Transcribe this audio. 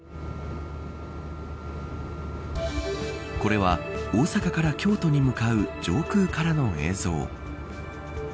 これは大阪から京都に向かう上空からの映像。